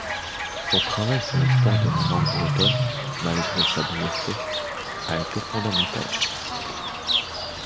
Son travail sur l'histoire de la langue bretonne, malgré sa brièveté, a été fondamental.